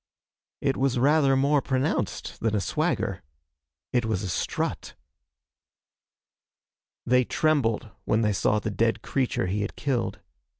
It was rather more pronounced than a swagger. It was a strut. They trembled when they saw the dead creature he had killed.